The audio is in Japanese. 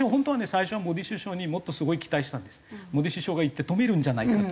最初はモディ首相にもっとすごい期待してたんですモディ首相が言って止めるんじゃないかと。